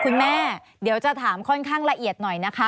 คุณแม่เดี๋ยวจะถามค่อนข้างละเอียดหน่อยนะคะ